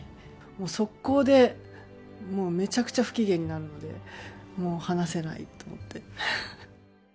速攻で、もうめちゃくちゃ不機嫌になるので、もう話せないと思って。